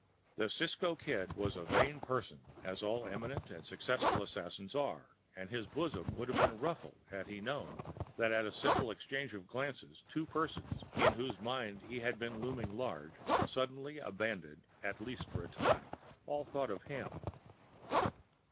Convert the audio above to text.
The Cisco Kid was a vain person, as all eminent and successful assassins are, and his bosom would have been ruffled had he known that at a simple exchange of glances two persons, in whose minds he had been looming large, suddenly abandoned (at least for the time) all thought of him.